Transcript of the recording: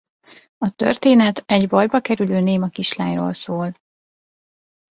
A történet egy bajba kerülő néma kislányról szól.